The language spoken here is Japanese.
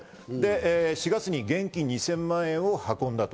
４月に現金２０００万円を運んだと。